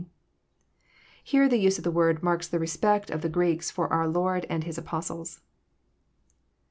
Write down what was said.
Here the use of the word marks the respect of the Greeks for our Lord and His apostles.